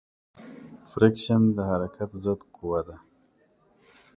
فریکشن د حرکت ضد قوې ده.